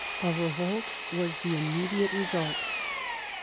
A revolt was the immediate result.